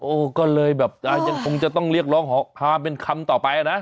ก็เลยแบบยังคงจะต้องเรียกร้องความเป็นคำต่อไปนะ